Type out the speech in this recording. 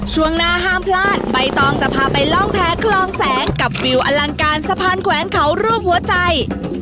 ช่วงหน้าห้ามพลาดใบตองจะพาไปล่องแพ้คลองแสงกับวิวอลังการสะพานแขวนเขารูปหัวใจ